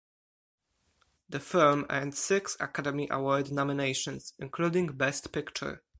The film earned six Academy Award nominations, including Best Picture.